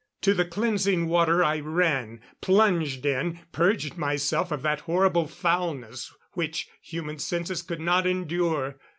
To the cleansing water I ran, plunged in, purged myself of that horrible foulness which human senses could not endure.